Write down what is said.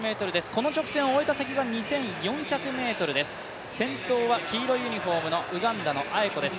この直線を終えた先が２４００ｍです、先頭は黄色いユニフォームのウガンダのアエコです。